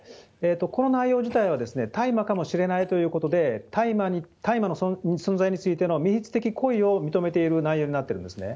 この内容自体は、大麻かもしれないということで、大麻の存在についての未必的故意を認めている内容になっているんですね。